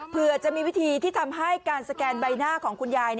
เผื่อจะมีวิธีที่ทำให้การสแกนใบหน้าของคุณยาย